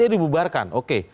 nogoh baru mereka